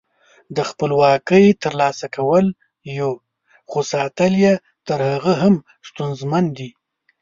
د خپلواکۍ تر لاسه کول یو، خو ساتل یې تر هغه هم ستونزمن دي.